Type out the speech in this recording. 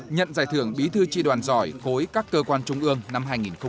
nhận giải thưởng bí thư tri đoàn giỏi khối các cơ quan trung ương năm hai nghìn một mươi chín